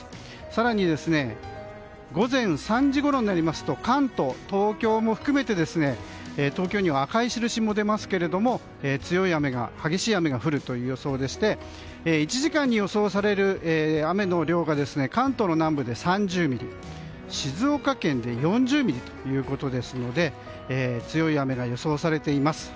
更に、午前３時ごろになりますと関東、東京も含めて東京には赤い印が出ますけども強い雨、激しい雨が降るという予想でして１時間に予想される雨の量が関東の南部で３０ミリ静岡県で４０ミリということですので強い雨が予想されています。